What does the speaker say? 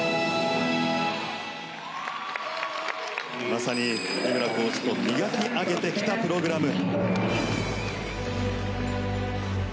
まさに井村コーチと磨き上げてきたプログラム。